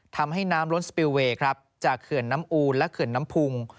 ทำให้น้ำล้นสปิลเวย์ครับจากเขื่อนน้ำอูนและเขื่อนน้ำพุง